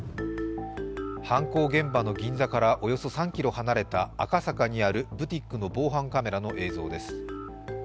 犯行現場の銀座からおよそ３ｋｍ離れた赤坂にあるブティックの防犯カメラの映像です。